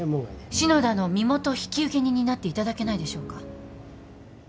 篠田の身元引受人になっていただけないでしょうか？